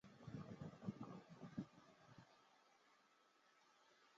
后来被放入微软的官方回应。